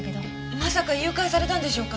まさか誘拐されたんでしょうか？